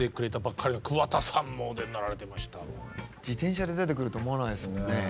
自転車で出てくると思わないですもんね。